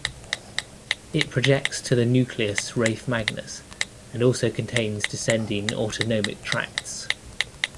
It projects to the nucleus raphe magnus, and also contains descending autonomic tracts.